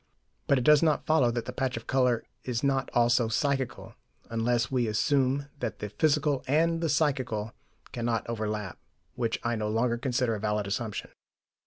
But it does not follow that the patch of colour is not also psychical, unless we assume that the physical and the psychical cannot overlap, which I no longer consider a valid assumption.